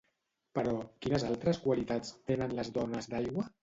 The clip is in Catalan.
Però, quines altres qualitats tenen les dones d'aigua?